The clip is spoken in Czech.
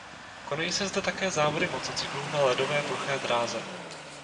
Konají se zde také závody motocyklů na ledové ploché dráze.